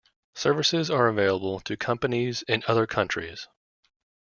Services are available to companies in other countries.